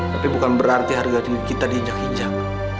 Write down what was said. tapi bukan berarti harga kita diinjak injak